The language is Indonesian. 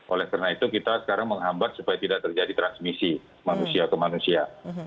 oleh karena itu kita sekarang menghambat supaya tidak terjadi transmisi manusia ke manusia